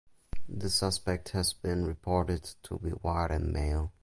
The suspect has been reported to be white and male.